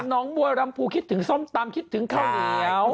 น้องบัวลำพูคิดถึงส้มตำคิดถึงข้าวเหนียว